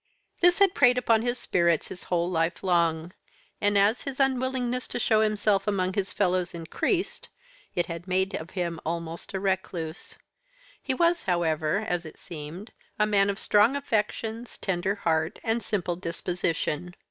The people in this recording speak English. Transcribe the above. "This had preyed upon his spirits his whole life long; and, as his unwillingness to show himself among his fellows increased, it had made of him almost a recluse. He was, however, as it seemed, a man of strong affections, tender heart, and simple disposition.